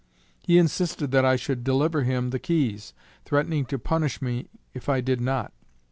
He insisted that I should deliver him the keys, threatening to punish me if I did not.